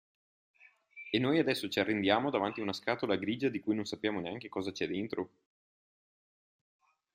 E noi adesso ci arrendiamo davanti ad una scatola grigia di cui non sappiamo neanche cosa c'è dentro?